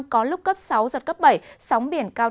có lúc cấp sáu giật cấp bảy sóng biển cao